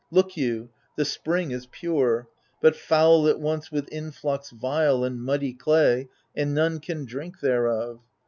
Look you, the spring Is pure ; but foul it once with influx vile And muddy clay, and none can drink thereof.